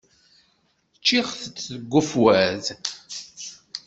Ččiɣ-tt deg ufwad.